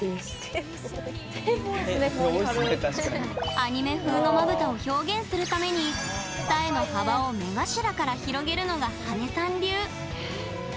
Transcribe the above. アニメ風のまぶたを表現するために二重の幅を目頭から広げるのがはねさん流。